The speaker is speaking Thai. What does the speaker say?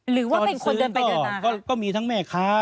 หรือว่าเป็นคนเดินไปเดินมาก็มีทั้งแม่ค้า